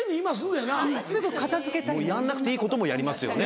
やんなくていいこともやりますよね。